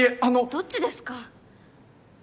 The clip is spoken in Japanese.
どっちですか？